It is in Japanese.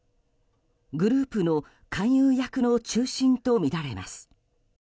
グループの勧誘役の中心とみられます。